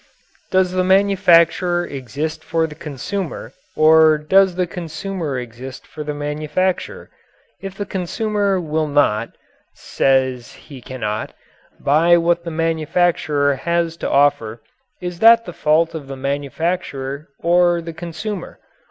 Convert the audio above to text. Does the manufacturer exist for the consumer or does the consumer exist for the manufacturer? If the consumer will not says he cannot buy what the manufacturer has to offer, is that the fault of the manufacturer or the consumer?